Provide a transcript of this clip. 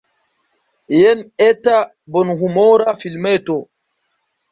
Jen eta bonhumora filmeto.